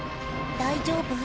大丈夫？